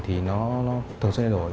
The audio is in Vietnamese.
thì nó thường xuyên lên đổi